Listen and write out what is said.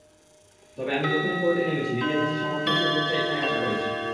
তবে আমি যখনই কোর্টে নেমেছি, নিজের কাছ সামর্থ্যের সর্বোচ্চটাই আশা করেছি।